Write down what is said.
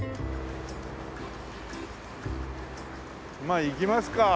まあ行きますか。